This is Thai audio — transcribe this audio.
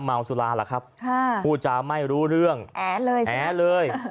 เมาสุราหรอกครับพูดจะไม่รู้เรื่องแอเลยแอเลย